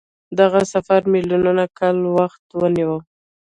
دغه سفر میلیونونه کاله وخت ونیو.